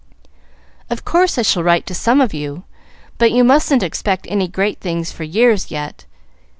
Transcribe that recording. "Of course I shall write to some of you, but you mustn't expect any great things for years yet.